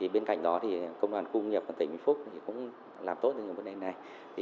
bên cạnh đó công đoàn cung nghiệp tỉnh phúc cũng làm tốt những vấn đề này